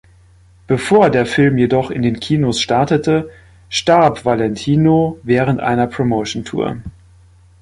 Bevor der Film jedoch in den Kinos startete, starb Valentino während einer Promotiontour.